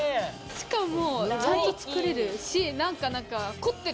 しかもちゃんと作れるし何か凝ってる。